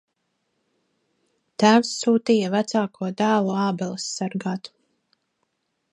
Tēvs sūtīja vecāko dēlu ābeles sargāt.